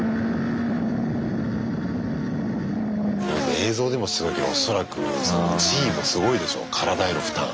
映像でもすごいけど恐らくＧもすごいでしょ体への負担。